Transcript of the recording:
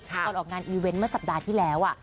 ก่อนออกงานมาสัปดาห์ที่แล้ว